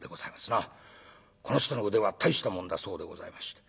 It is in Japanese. この人の腕は大したもんだそうでございまして。